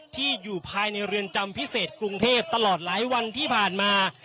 ที่อยู่ภายในเรือนจำพิเศษกรุงเทพตลอดหลายวันที่ผ่านมา